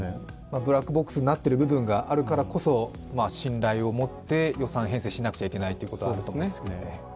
ブラックボックスになっている部分があるからこそ、信頼を持って予算編成しなくちゃいけないということはあると思うんですけど。